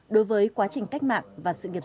đối với quá trình cách mạng và sự nghiệp